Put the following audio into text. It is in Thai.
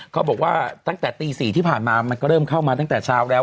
เขาบอกว่าตั้งแต่ตี๔ที่ผ่านมามันก็เริ่มเข้ามาตั้งแต่เช้าแล้ว